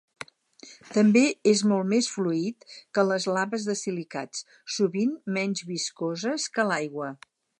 També és molt més fluid que les laves de silicats, sovint menys viscoses que l'aigua.